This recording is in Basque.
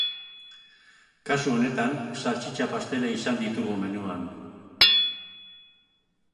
Kasu honetan, saltxitxa pastela izan ditugu menuan.